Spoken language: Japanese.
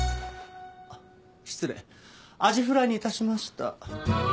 あっ失礼アジフライに致しました。